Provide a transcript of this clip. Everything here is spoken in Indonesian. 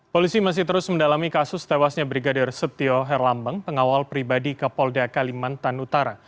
polisi masih terus mendalami kasus tewasnya brigadir setio herlambang pengawal pribadi ke polda kalimantan utara